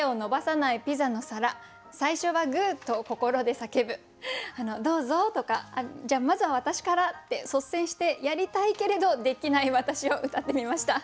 私なら「どうぞ」とか「じゃあまずは私から」って率先してやりたいけれどできない私をうたってみました。